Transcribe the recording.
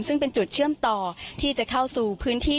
ซึ่งเป็นจุดเชื่อมต่อที่จะเข้าสู่พื้นที่